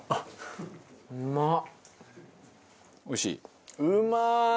おいしい？